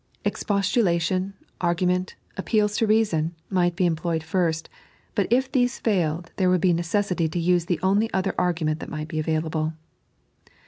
Ezpoettila tiot), ai^^nmeiit, appeals to reason, might be employed first; but if these failed there would be neoeesity to use the only other argument that might be available.